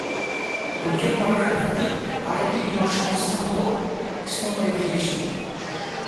Rickenbacker ভিত্তিক আরেকটি বিমান সংস্থা হল স্নো এভিয়েশন।